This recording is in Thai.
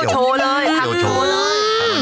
เคี่ยวโชว์เลยครับ